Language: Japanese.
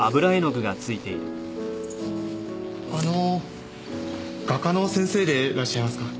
あの画家の先生でいらっしゃいますか？